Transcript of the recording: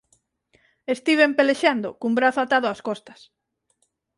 Estiven pelexando cun brazo atado ás costas.